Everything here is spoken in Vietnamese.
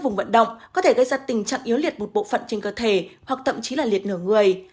vùng vận động có thể gây ra tình trạng yếu liệt một bộ phận trên cơ thể hoặc thậm chí là liệt nửa người